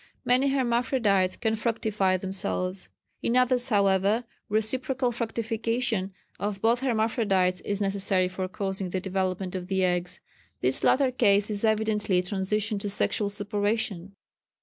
Many hermaphrodites can fructify themselves; in others, however, reciprocal fructification of both hermaphrodites is necessary for causing the development of the eggs. This latter case is evidently a transition to sexual separation.